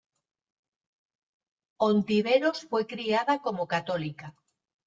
Ontiveros fue criada como católica.